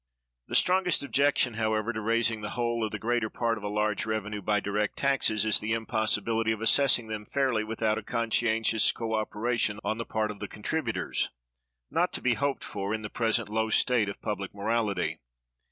The strongest objection, however, to raising the whole or the greater part of a large revenue by direct taxes, is the impossibility of assessing them fairly without a conscientious co operation on the part of the contributors, not to be hoped for in the present low state of public morality.